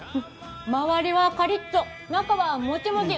周りはカリッと、中はもちもち。